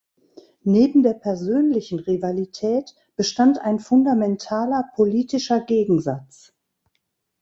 Neben der persönlichen Rivalität bestand ein fundamentaler politischer Gegensatz.